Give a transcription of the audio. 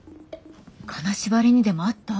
金縛りにでも遭った？